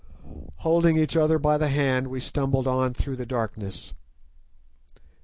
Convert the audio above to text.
Holding each other by the hand we stumbled on through the darkness.